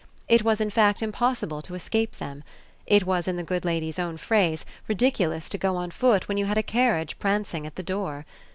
It was in fact impossible to escape them; it was in the good lady's own phrase ridiculous to go on foot when you had a carriage prancing at the door.